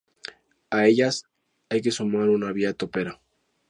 A ellas hay que sumar una vía topera.